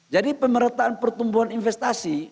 jadi pemerataan pertumbuhan investasi